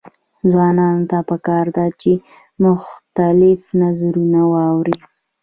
ځوانانو ته پکار ده چې، مختلف نظرونه واوري.